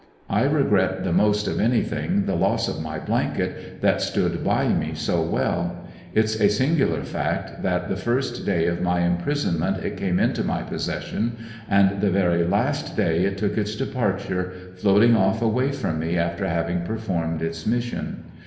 I regret the most of any thing, the loss of my blanket that stood by me so well. It's a singu lar fact that the first day of my imprisonment it came into my possession, and the very last day it took its departure, floating off away from me after having performed its mission.